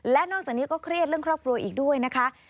และนอกจากนี้ก็เครียดเรื่องครอบครัวอีกด้วยนะคะ